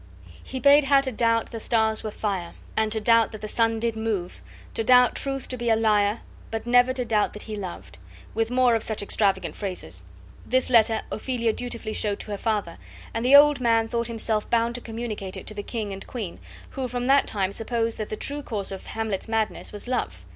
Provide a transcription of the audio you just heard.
He bade her to doubt the stars were fire, and to doubt that the sun did move, to doubt truth to be a liar, but never to doubt that he loved; with more of such extravagant phrases. This letter Ophelia dutifully showed to her father, and the old man thought himself bound to communicate it to the king and queen, who from that time supposed that the true cause of Hamlet's madness was love.